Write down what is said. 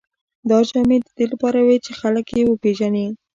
دا جامې د دې لپاره وې چې خلک یې وپېژني.